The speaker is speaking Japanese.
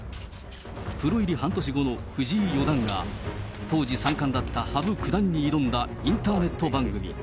プロ入り半年後の藤井四段が、当時三冠だった羽生九段に挑んだインターネット番組。